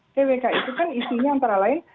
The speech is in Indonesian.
twk itu kan isinya antara lain